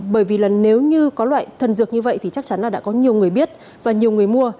bởi vì là nếu như có loại thần dược như vậy thì chắc chắn là đã có nhiều người biết và nhiều người mua